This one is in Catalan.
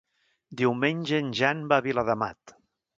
Diumenge en Jan va a Viladamat.